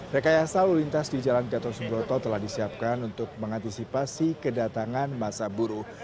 rekayasa lalu lintas di jalan gatot subroto telah disiapkan untuk mengantisipasi kedatangan masa buruh